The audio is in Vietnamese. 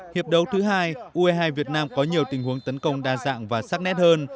hiệp đấu thứ hai ue hai việt nam có nhiều tình huống tấn công đa dạng và sắc nét hơn